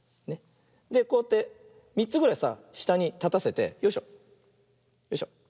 でこうやって３つぐらいさしたにたたせてよいしょよいしょ。